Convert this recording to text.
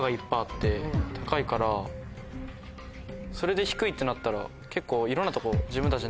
高いからそれで低いってなったら結構。